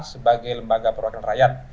sebagai lembaga perwakilan rakyat